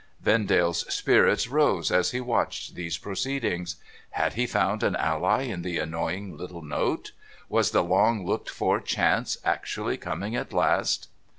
Vendale's spirits rose as he watched these proceedings. Had he found an ally in the annoying little note ? Was the long looked for chance actually coming at last